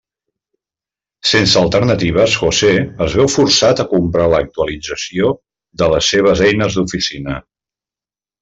Sense alternatives, José es veu forçat a comprar l'actualització de les seves eines d'oficina.